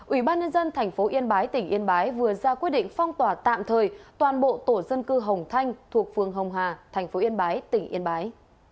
ủy ban nhân dân tp yên bái tỉnh yên bái vừa ra quyết định phong tỏa tạm thời toàn bộ tổ dân cư hồng thanh thuộc phường hồng hà thành phố yên bái tỉnh yên bái